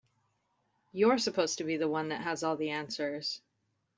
You're supposed to be the one that has all the answers.